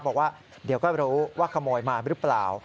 บอกว่าเดี๋ยวก็รู้ว่าขโมยมาหรือเปล่า